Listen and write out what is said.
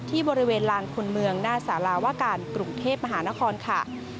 ที่บริเวณลานคนเมืองหน้าสาราวการกรุงเทพมหานครค่ะ